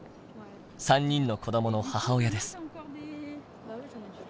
３人の子どもの母親です。